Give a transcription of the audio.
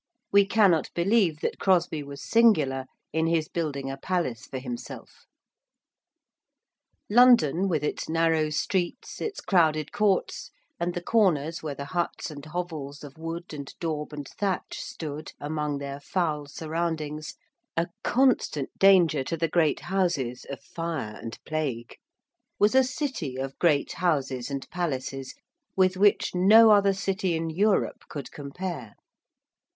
We cannot believe that Crosby was singular in his building a palace for himself. London with its narrow streets, its crowded courts, and the corners where the huts and hovels of wood and daub and thatch stood among their foul surroundings, a constant danger to the great houses of fire and plague, was a city of great houses and palaces, with which no other city in Europe could compare.